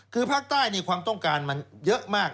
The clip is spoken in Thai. คือภาคใต้ความต้องการมันเยอะมาก